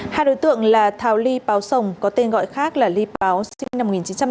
hai đối tượng là thảo ly páo sồng có tên gọi khác là ly páo sinh năm một nghìn chín trăm tám mươi bốn